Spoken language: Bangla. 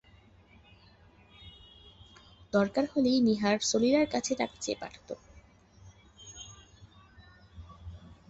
দরকার হলেই নীহার সলিলার কাছে টাকা চেয়ে পাঠাত।